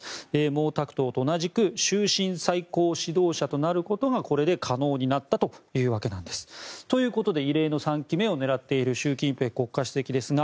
毛沢東と同じく終身最高指導者となることがこれで可能になったというわけなんです。ということで異例の３期目を狙っている習近平国家主席ですが